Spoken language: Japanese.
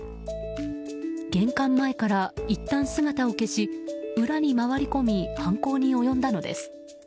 玄関前からいったん姿を消し裏に回り込み犯行に及んだのです。